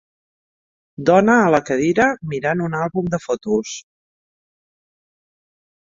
Dona a la cadira mirant un àlbum de fotos.